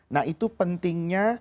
nah itu pentingnya